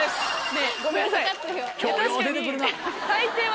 ねぇごめんなさい。